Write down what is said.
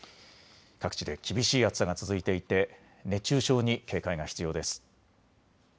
各地で厳しい暑さが続いていて熱中症に警戒が必要です。